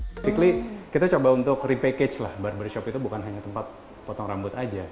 basically kita coba untuk repackage lah barbershop itu bukan hanya tempat potong rambut aja